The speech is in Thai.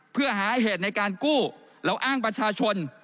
เพื่อหาเหตุในการกู้เราอ้างประชาชน